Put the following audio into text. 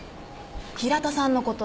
平田さんのこと。